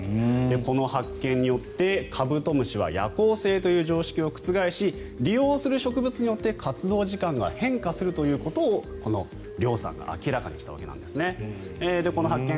この発見によってカブトムシは夜行性という常識を覆し利用する植物によって活動時間が変化するということを亮さんが明らかにしたわけです。